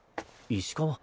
石川。